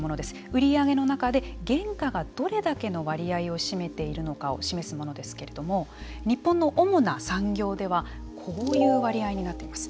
売り上げの中で原価がどれだけの割合を占めているのかを示すものですけれども日本の主な産業ではこういう割合になっています。